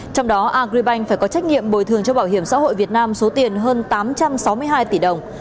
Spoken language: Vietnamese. trong đó agribank phải có trách nhiệm bồi thường cho bảo hiểm xã hội việt nam số tiền hơn tám trăm sáu mươi hai tỷ đồng